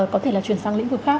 có thể là chuyển sang lĩnh vực khác